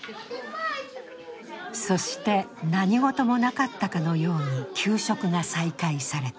そして、何事もなかったかのように給食が再開された。